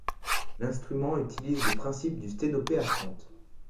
L'instrument utilise le principe du sténopé à fente.